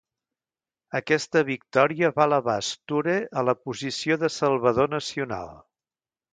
Aquesta victòria va elevar Sture a la posició de salvador nacional.